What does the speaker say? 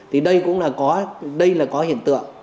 thì đây cũng là đây là có hiện tượng